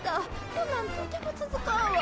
こんなんとてもつづかんわ。